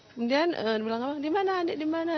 kemudian di mana di mana